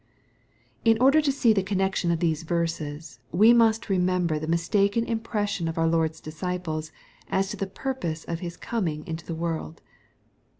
. In order to see the connection of these verses, we must remember the mistaken impressions of our Lord's disciples as to the purpose of His coming into the world.